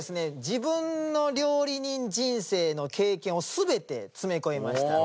自分の料理人人生の経験を全て詰め込みました。